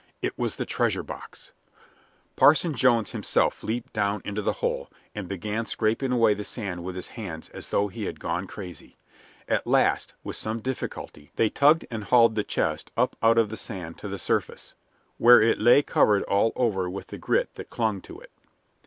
It was the treasure box! Parson Jones himself leaped down into the hole, and began scraping away the sand with his hands as though he had gone crazy. At last, with some difficulty, they tugged and hauled the chest up out of the sand to the surface, where it lay covered all over with the grit that clung to it.